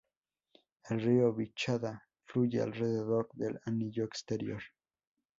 El río Vichada fluye alrededor del anillo exterior.